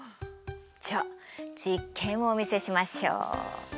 じゃあ実験をお見せしましょう。